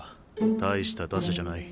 大した打者じゃない。